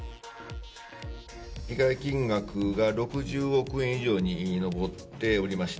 被害金額が６０億円以上に上っておりまして。